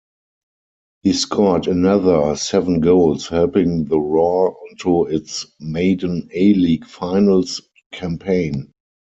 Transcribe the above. He scored another seven goals helping the Roar onto its maiden A-League Finals campaign.